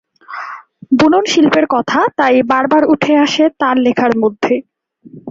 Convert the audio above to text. বুনন শিল্পের কথা তাই বারবার উঠে আসে তার লেখার মধ্যে।